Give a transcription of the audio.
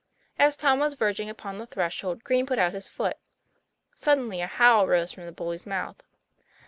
As Tom was verging upon the threshold, Green put out his foot; suddenly a howl arose from the bully's mouth.